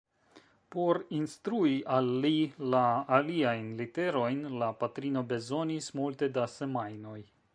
Por instrui al li la aliajn literojn, la patrino bezonis multe da semajnoj.